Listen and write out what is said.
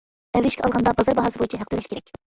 ئەۋرىشكە ئالغاندا، بازار باھاسى بويىچە ھەق تۆلەش كېرەك.